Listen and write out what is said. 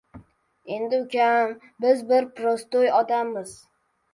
— Endi, ukam, biz bir po‘ristoy odammiz.